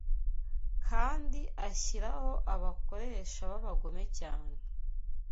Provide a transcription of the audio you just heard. kandi ashyiraho abakoresha b’abagome cyane